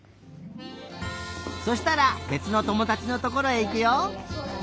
そしたらべつのともだちのところへいくよ。